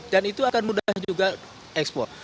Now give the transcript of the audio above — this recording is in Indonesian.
dan itu akan mudah juga ekspor